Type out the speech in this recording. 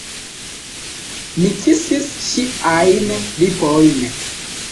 Mi kisis ŝiajn lipojn.